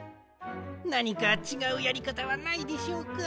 なにかちがうやりかたはないでしょうか？